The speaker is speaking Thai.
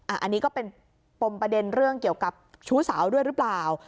อันนี้ก็เป็นปมประเด็นเรื่องเกี่ยวกับชู้สาวด้วยหรือเปล่า